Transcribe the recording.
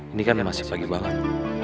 ini kan masih pagi banget